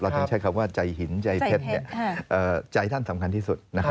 ถึงใช้คำว่าใจหินใจเพชรใจท่านสำคัญที่สุด